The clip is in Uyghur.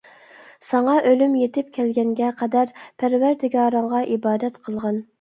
«ساڭا ئۆلۈم يېتىپ كەلگەنگە قەدەر پەرۋەردىگارىڭغا ئىبادەت قىلغىن» .